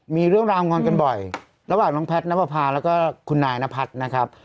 มีเรื่องราวงอนกันบ่อยระหว่างน้องแพทย์นับประพาแล้วก็คุณนายนพัฒน์นะครับ